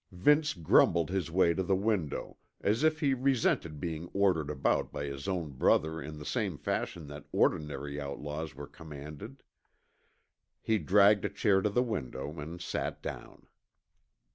Vince grumbled his way to the window, as if he resented being ordered about by his own brother in the same fashion that ordinary outlaws were commanded. He dragged a chair to the window and sat down.